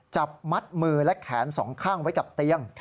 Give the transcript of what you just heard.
จับมัดมือและแขนสองข้างไว้กับเตียง